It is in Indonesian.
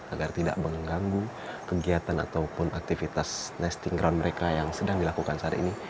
agar tidak mengganggu kegiatan ataupun aktivitas nesting ground mereka yang sedang dilakukan saat ini